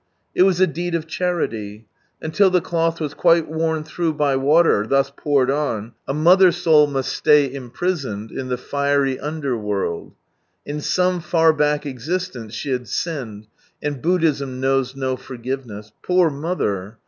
It was a deed of charity. Until the cloth was worn quite through hy water thus poured on, a mother soul must stay imprisoned in the fiery under world. In some far back existence she had sinned, and Buddhism knows no forgiveness. Poor mother!